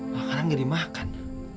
makanan gak dimakan